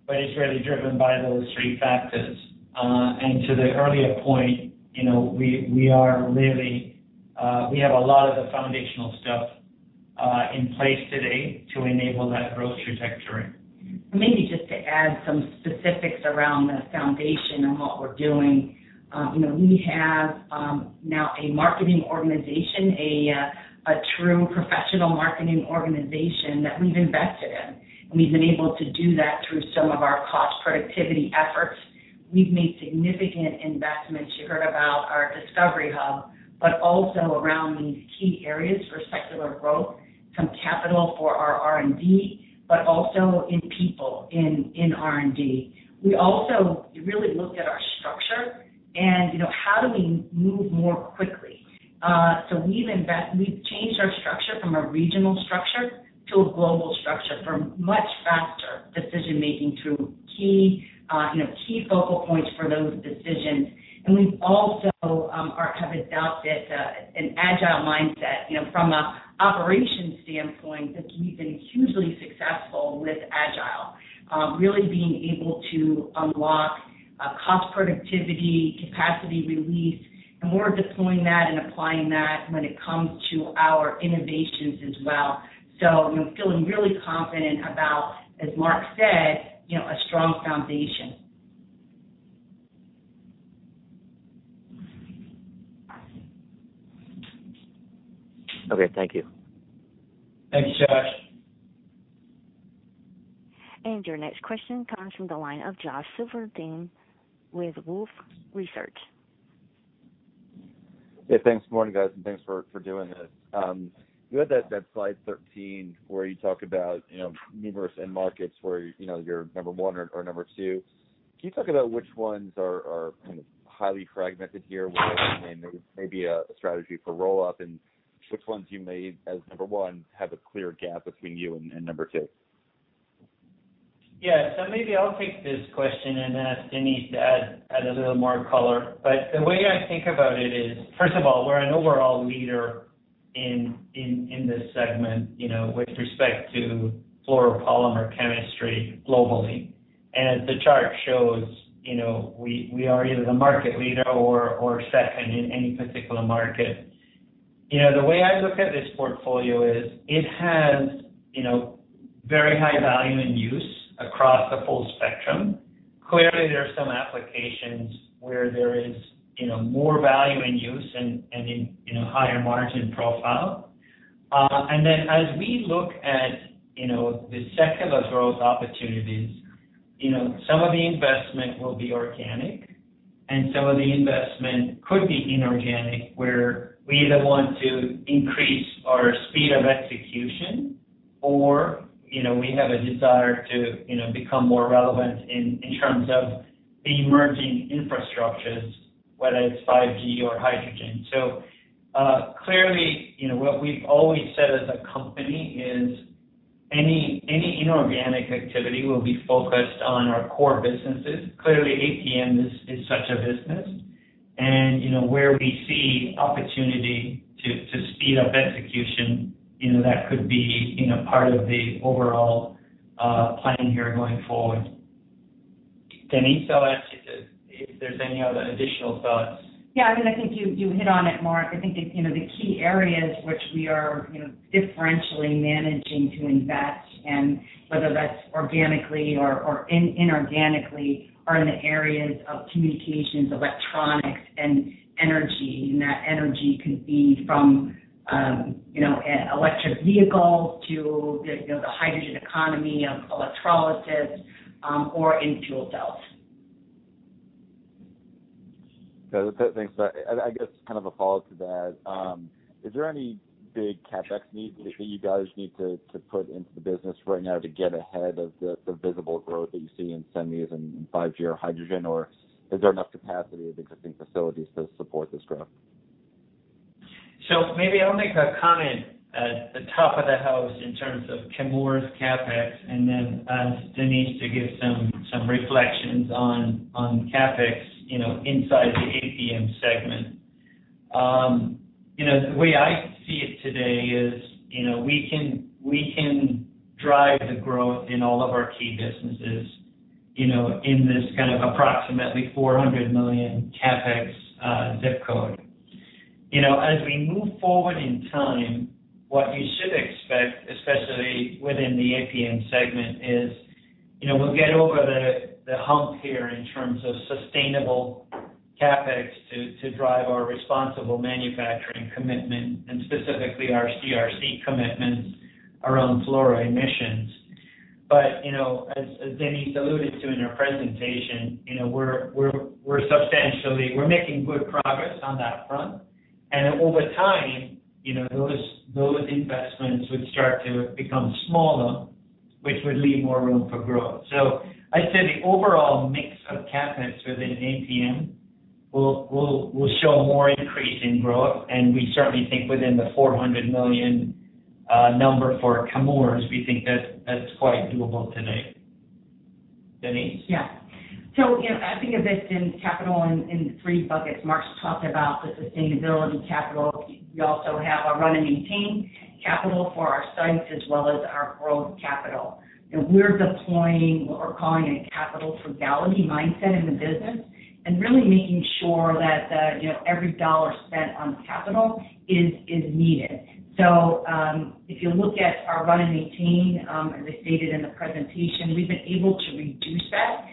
but it's really driven by those three factors. To the earlier point, we have a lot of the foundational stuff in place today to enable that growth trajectory. Maybe just to add some specifics around the foundation and what we're doing. We have now a marketing organization, a true professional marketing organization that we've invested in. We've been able to do that through some of our cost productivity efforts. We've made significant investments. You heard about our Discovery Hub, but also around these key areas for secular growth, some capital for our R&D, but also in people in R&D. We've changed our structure from a regional structure to a global structure for much faster decision-making through key focal points for those decisions. We also have adopted an Agile mindset. From an operations standpoint, we've been hugely successful with Agile, really being able to unlock cost productivity, capacity release, and we're deploying that and applying that when it comes to our innovations as well. I'm feeling really confident about, as Mark said, a strong foundation. Okay. Thank you. Thanks, Josh. Your next question comes from the line of Josh Silverstein with Wolfe Research. Yeah. Thanks. Good morning, guys, and thanks for doing this. You had that slide 13 where you talked about numerous end markets where you're number one or number two. Can you talk about which ones are highly fragmented here where there may be a strategy for roll-up, and which ones you may, as number one, have a clear gap between you and number two? Yeah. Maybe I'll take this question and ask Denise to add a little more color. The way I think about it is, first of all, we're an overall leader in this segment with respect to fluoropolymer chemistry globally. As the chart shows, we are either the market leader or second in any particular market. The way I look at this portfolio is it has very high value in use across the full spectrum. Clearly, there are some applications where there is more value in use and a higher margin profile. As we look at the secular growth opportunities, some of the investment will be organic and some of the investment could be inorganic where we either want to increase our speed of execution or we have a desire to become more relevant in terms of the emerging infrastructures, whether it's 5G or hydrogen. Clearly, what we've always said as a company is any inorganic activity will be focused on our core businesses. Clearly, APM is such a business. Where we see opportunity to speed up execution, that could be part of the overall planning here going forward. Denise, if there's any other additional thoughts? Yeah, I think you hit on it, Mark. I think the key areas which we are differentially managing to invest in, whether that's organically or inorganically, are in the areas of communications, electronics, and energy. That energy could be from electric vehicles to the hydrogen economy of electrolysis or in fuel cells. Okay. Thanks. I guess kind of a follow-up to that, is there any big CapEx needs that you guys need to put into the business right now to get ahead of the visible growth that you see in semis and 5G and hydrogen, or is there enough capacity at existing facilities to support this growth? Maybe I'll make a comment at the top of the house in terms of Chemours CapEx, and then Denise can give some reflections on CapEx inside the APM segment. The way I see it today is we can drive the growth in all of our key businesses in this kind of approximately $400 million CapEx zip code. As we move forward in time, what you should expect, especially within the APM segment is, we'll get over the hump here in terms of sustainable CapEx to drive our responsible manufacturing commitment and specifically our CRC commitments around fluoride emissions. As Denise alluded to in her presentation, we're making good progress on that front, and over time, those investments would start to become smaller, which would leave more room for growth. I'd say the overall mix of CapEx within APM will show more increase in growth, and we certainly think within the $400 million for Chemours, we think that's quite doable today. Denise? Yeah. I think of this in capital in the three buckets Mark's talking about: the sustainability capital. We also have our run and maintain capital for our sites as well as our growth capital. We're deploying what we're calling a capital frugality mindset in the business and really making sure that every dollar spent on capital is needed. If you look at our run and maintain, as I stated in the presentation, we've been able to reduce that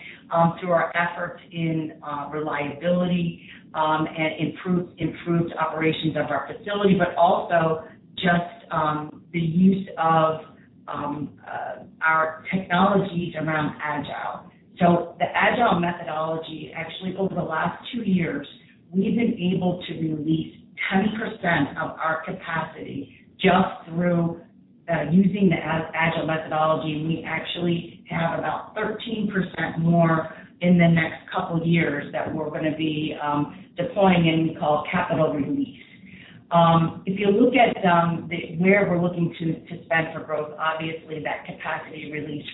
through our efforts in reliability, and improved operations of our facility, but also just the use of our technologies around Agile. The Agile methodology, actually over the last two years, we've been able to release 10% of our capacity just through using the Agile methodology, and we actually have about 13% more in the next couple of years that we're going to be deploying in what we call capital release. If you look at where we're looking to spend for growth, obviously that capacity release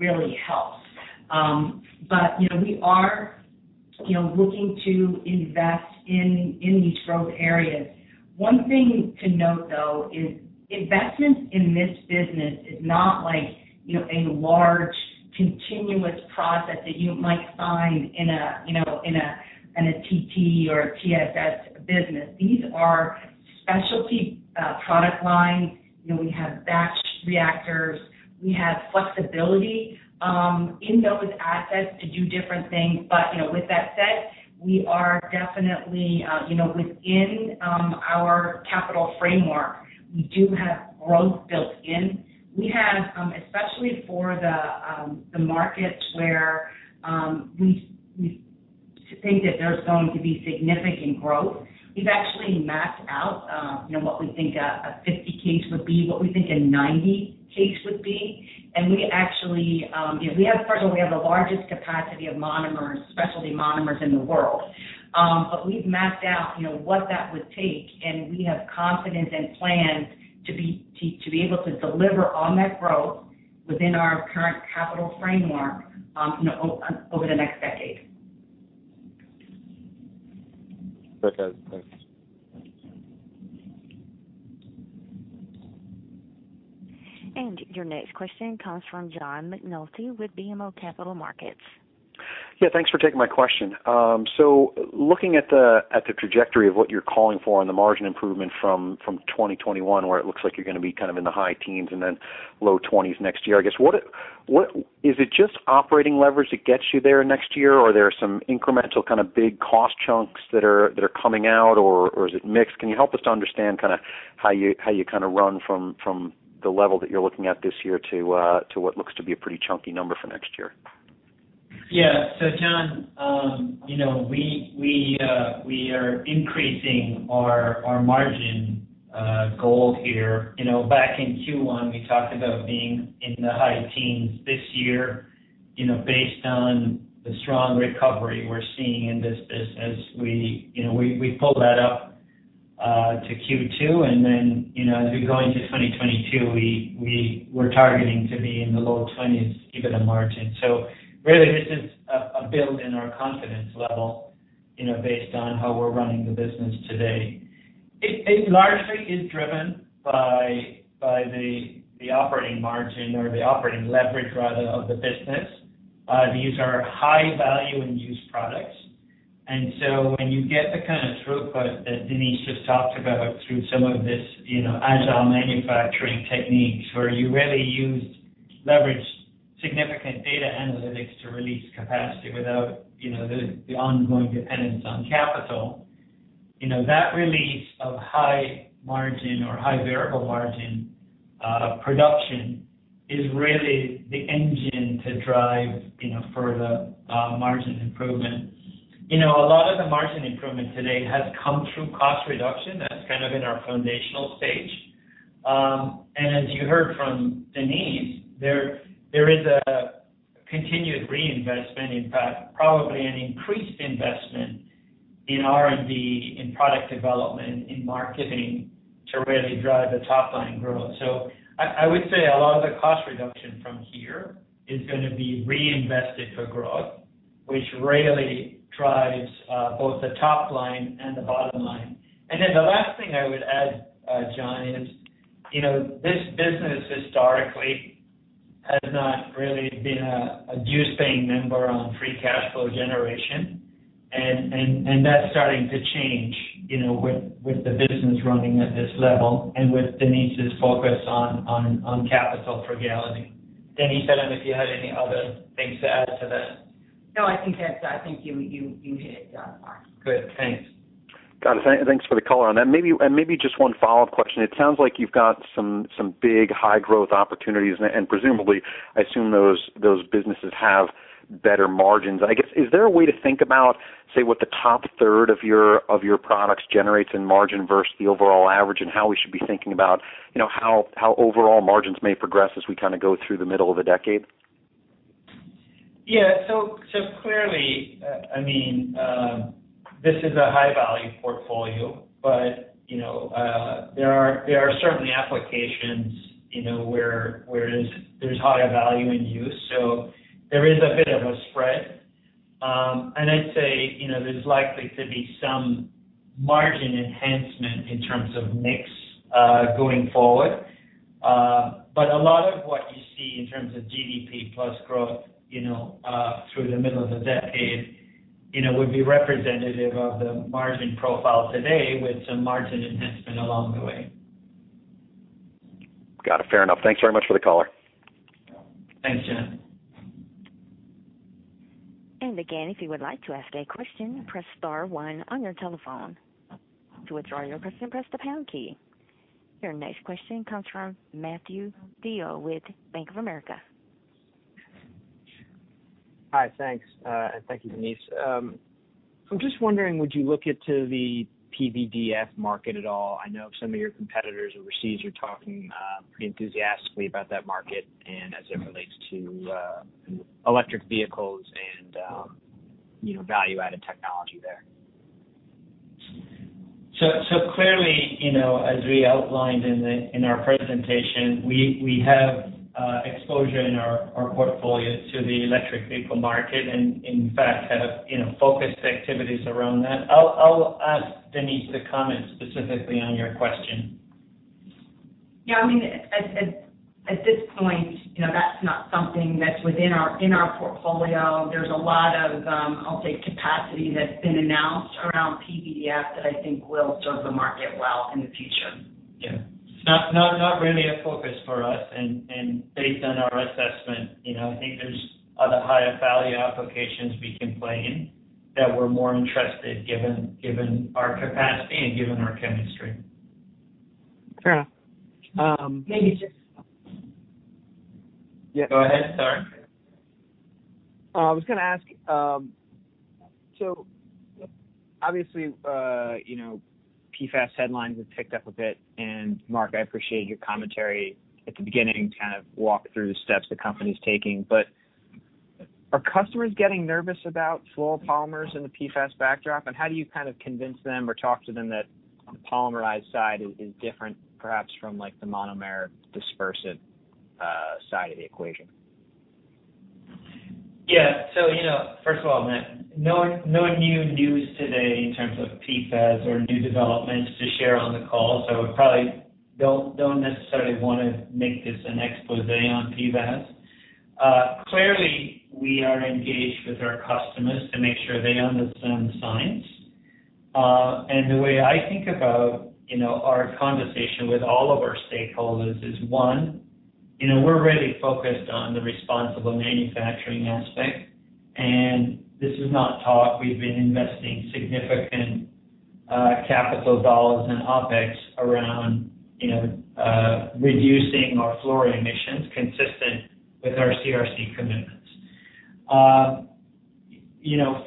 really helps. We are looking to invest in these growth areas. One thing to note, though, is investment in this business is not like a large continuous project that you might find in a TT or a TSS business. These are specialty product lines. We have batch reactors. We have flexibility in those assets to do different things. With that said, we are definitely within our capital framework. We do have growth built in. Especially for the markets where we think that there's going to be significant growth, we've actually mapped out what we think a 50 case would be, what we think a 90 case would be. We actually have the largest capacity of monomers, specialty monomers in the world. We've mapped out what that would take, and we have confidence and plans to be able to deliver on that growth within our current capital framework over the next decade. Okay. Thanks. Your next question comes from John McNulty with BMO Capital Markets. Yeah, thanks for taking my question. Looking at the trajectory of what you're calling for on the margin improvement from 2021, where it looks like you're going to be kind of in the high teens and then low twenties next year, is it just operating leverage that gets you there next year, or are there some incremental kind of big cost chunks that are coming out, or is it mixed? Can you help us understand how you kind of run from the level that you're looking at this year to what looks to be a pretty chunky number for next year? Yeah. John, we are increasing our margin goal here. Back in Q1, we talked about being in the high teens this year, based on the strong recovery we're seeing in this business. We pulled that up to Q2, and then, as we go into 2022, we're targeting to be in the low twenties, EBITDA margin. Really this is a build in our confidence level, based on how we're running the business today. It largely is driven by the operating margin or the operating leverage, rather, of the business. These are high value in use products. When you get the kind of throughput that Denise Dignam just talked about through some of this Agile manufacturing techniques where you really use leveraged significant data analytics to release capacity without the ongoing dependence on capital, that release of high margin or high variable margin production is really the engine to drive further margin improvement. A lot of the margin improvement today has come through cost reduction that's in our foundational stage. As you heard from Denise Dignam, there is a continued reinvestment, in fact, probably an increased investment in R&D, in product development, in marketing to really drive the top-line growth. I would say a lot of the cost reduction from here is going to be reinvested for growth, which really drives both the top line and the bottom line. The last thing I would add, John, is this business historically has not really been a dues-paying member on free cash flow generation, and that's starting to change, with the business running at this level and with Denise's focus on capital frugality. Denise, I don't know if you had any other things to add to that. No, I think you hit it, Mark. Good. Thanks. Got it. Thanks for the call. Maybe just one follow-up question. It sounds like you've got some big high-growth opportunities, and presumably, I assume those businesses have better margins. I guess, is there a way to think about, say, what the top third of your products generates in margin versus the overall average, and how we should be thinking about how overall margins may progress as we go through the middle of the decade? Yeah. Clearly, this is a high-value portfolio, but there are certainly applications where there's higher value in use. There is a bit of a spread. I'd say, there's likely to be some margin enhancement in terms of mix, going forward. A lot of what you see in terms of GDP-plus growth, through the middle of the decade, would be representative of the margin profile today with some margin enhancement along the way. Got it. Fair enough. Thanks very much for the call. Thanks, John. Again, if you would like to ask a question, press star one on your telephone. To withdraw your question, press the pound key. Your next question comes from Matthew DeYoe with Bank of America. Hi, thanks. Thank you, Denise. I'm just wondering, would you look into the PVDF market at all? I know some of your competitors overseas are talking pretty enthusiastically about that market and as it relates to electric vehicles and value-added technology there. Clearly, as we outlined in our presentation, we have exposure in our portfolios to the electric vehicle market and in fact have focused activities around that. I'll ask Denise to comment specifically on your question. Yeah, at this point, that's not something that's within our portfolio. There's a lot of, I'll say, capacity that's been announced around PVDF that I think will serve the market well in the future. Yeah. It's not really a focus for us, and based on our assessment, I think there's other higher value applications we can play in that we're more interested given our capacity and given our chemistry. Fair enough. Go ahead, sorry. I was going to ask, obviously, PFAS headlines have picked up a bit, and Mark, I appreciate your commentary at the beginning, kind of walk through the steps the company's taking. Are customers getting nervous about fluoropolymers in the PFAS backdrop? How do you kind of convince them or talk to them that the polymerized side is different perhaps from the monomer dispersive side of the equation? Yeah. First of all, Matt, no new news today in terms of PFAS or new developments to share on the call, so I probably don't necessarily want to make this an expose on PFAS. Clearly, we are engaged with our customers to make sure they understand the science. The way I think about our conversation with all of our stakeholders is, one, we're really focused on the responsible manufacturing aspect, and this is not talk. We've been investing significant capital dollars in OpEx around reducing our fluoride emissions consistent with our CRC commitments.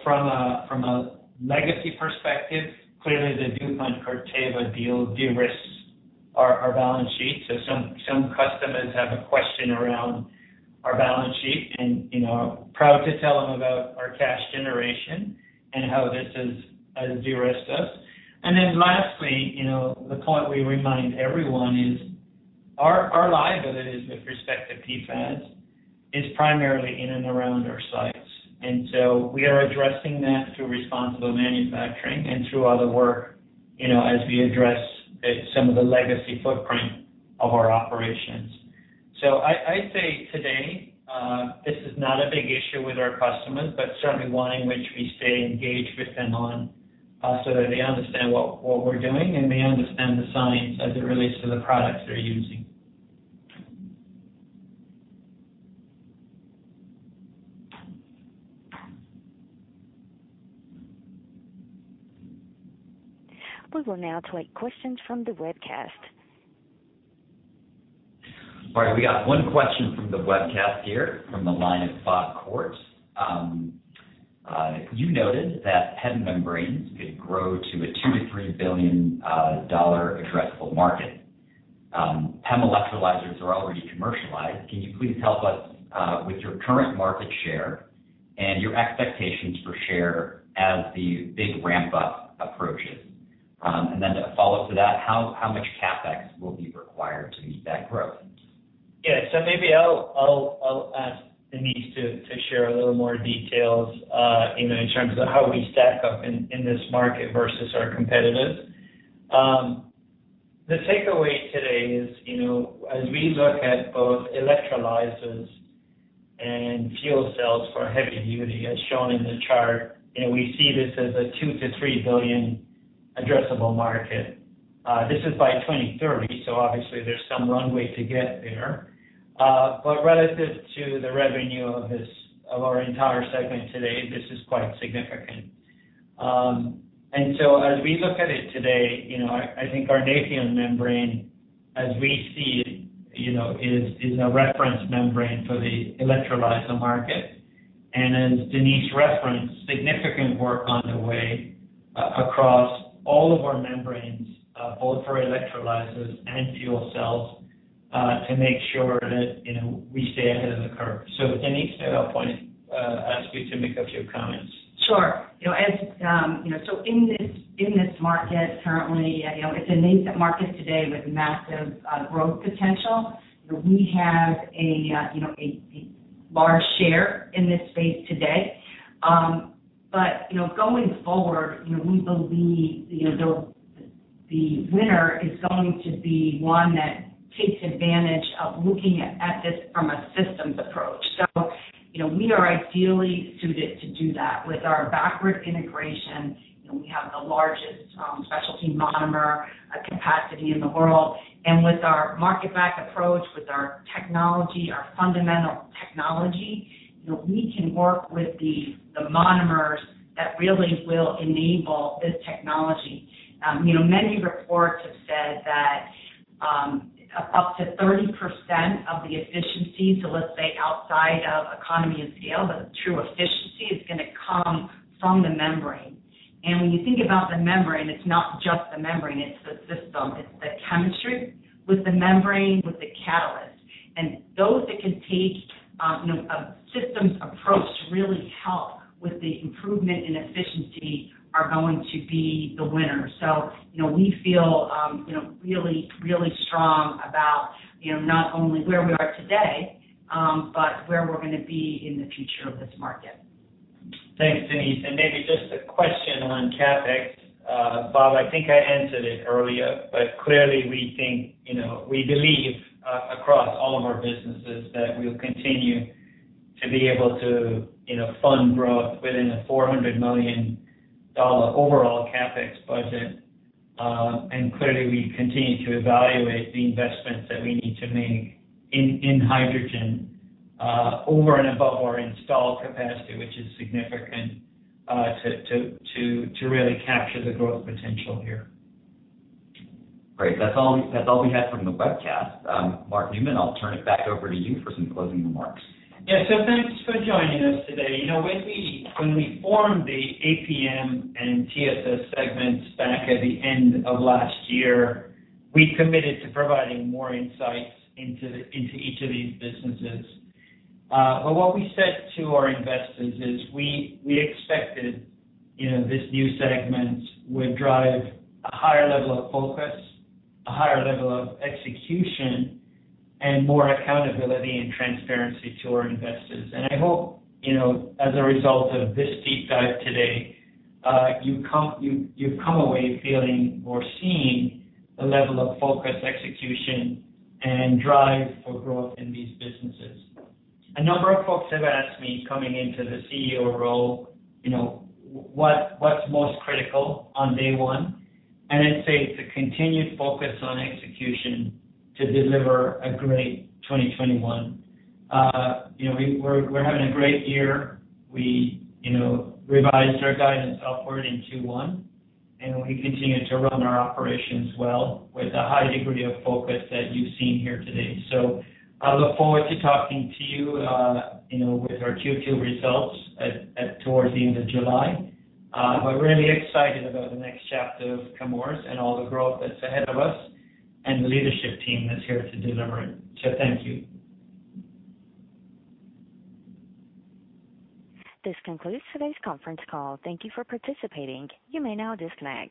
From a legacy perspective, clearly the DuPont Corteva de-risks our balance sheet. Some customers have a question around our balance sheet, and proud to tell them about our cash generation and how this has de-risked us. Then lastly, the point we remind everyone is. Our liabilities with respect to PFAS is primarily in and around our sites. We are addressing that through responsible manufacturing and through other work, as we address some of the legacy footprint of our operations. I'd say today, this is not a big issue with our customers, but certainly one in which we stay engaged with them on, so that they understand what we're doing, and they understand the science as it relates to the products they're using. We will now take questions from the webcast. All right. We got one question from the webcast here from the line of Bob Koort. You noted that PEM membranes could grow to a $2 billion-$3 billion addressable market. PEM electrolyzers are already commercialized. Can you please help us with your current market share and your expectations for share as the big ramp-up approaches? To follow to that, how much CapEx will be required to meet that growth? Yeah. Maybe I'll ask Denise to share a little more details, in terms of how we stack up in this market versus our competitors. The takeaway today is, as we look at both electrolyzers and fuel cells for heavy duty, as shown in the chart, we see this as a $2 billion-$3 billion addressable market. This is by 2030, so obviously there's some runway to get there. Relative to the revenue of our entire segment today, this is quite significant. As we look at it today, I think our Nafion membrane, as we see it, is the reference membrane for the electrolyzer market. As Denise referenced, significant work on the way across all of our membranes, both for electrolyzers and fuel cells, to make sure that we stay ahead of the curve. Denise, at that point, ask you to make a few comments. Sure. In this market currently, it's a niche market today with massive growth potential. We have a large share in this space today. Going forward, we believe the winner is going to be one that takes advantage of looking at this from a systems approach. We are ideally suited to do that with our backward integration, and we have the largest specialty monomer capacity in the world. With our market-back approach, with our technology, our fundamental technology, we can work with the monomers that really will enable this technology. Many reports have said that up to 30% of the efficiency, so let's say outside of economy of scale, the true efficiency is going to come from the membrane. When you think about the membrane, it's not just the membrane, it's the system. It's the chemistry with the membrane, with the catalyst. Those that can take a systems approach to really help with the improvement in efficiency are going to be the winner. We feel really strong about not only where we are today, but where we're going to be in the future of this market. Thanks, Denise. Maybe just a question on CapEx. Bob, I think I answered it earlier, but clearly we believe across all of our businesses that we'll continue to be able to fund growth within the $400 million overall CapEx budget. Clearly, we continue to evaluate the investments that we need to make in hydrogen over and above our installed capacity, which is significant, to really capture the growth potential here. Great. That's all we have from the webcast. Mark Newman, I'll turn it back over to you for some closing remarks. Thanks for joining us today. When we formed the APM and TSS segments back at the end of last year, we committed to providing more insights into each of these businesses. What we said to our investors is we expected these new segments would drive a higher level of focus, a higher level of execution, and more accountability and transparency to our investors. I hope, as a result of this deep dive today, you've come away feeling or seen the level of focus, execution, and drive for growth in these businesses. A number of folks have asked me coming into the CEO role, what's most critical on day 1, and I'd say it's a continued focus on execution to deliver a great 2021. We're having a great year. We revised our guidance upward in Q1, and we continue to run our operations well with a high degree of focus that you've seen here today. I look forward to talking to you with our Q2 results towards the end of July. We're really excited about the next chapter of Chemours and all the growth that's ahead of us and the leadership team that's here to deliver it. Thank you. This concludes today's conference call. Thank you for participating. You may now disconnect.